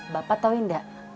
bapak tau enggak